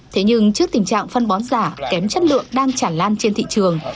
thế nhưng trước tình trạng phân bón giả kém chất lượng đang chản lan trên thị trường